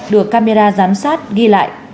được camera giám sát ghi lại